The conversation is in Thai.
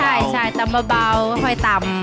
ใช่ค่ะใช่ตำเบาก็ค่อยตำ